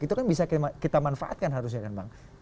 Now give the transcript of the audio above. itu kan bisa kita manfaatkan harusnya kan bang